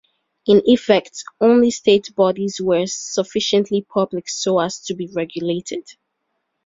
In effect, only state bodies were sufficiently 'public' so as to be regulated.